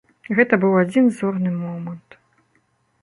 Гэта быў адзін зорны момант.